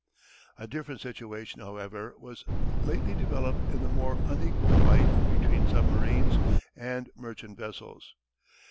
A different situation, however, has lately developed in the more unequal fight between submarines and merchant vessels.